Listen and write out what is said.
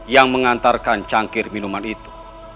yang mengantarkan cangkir minuman itu